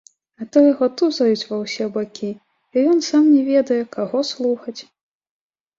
А то яго тузаюць ва ўсе бакі, і ён сам не ведае, каго слухаць.